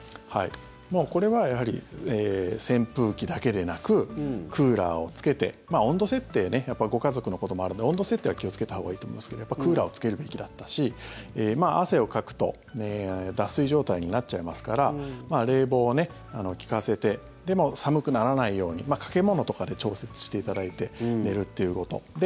もうこれはやはり扇風機だけでなくクーラーをつけてまあ、温度設定ねやっぱりご家族のこともあるので温度設定は気をつけたほうがいいと思うんですけどクーラーをつけるべきだったし汗をかくと脱水状態になっちゃいますから冷房を利かせてでも寒くならないように掛け物とかで調節していただいて寝るっていうこと。